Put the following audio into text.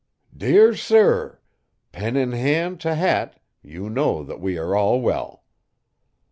DEAR SIR 'pen in hand to hat you know that we are all wel.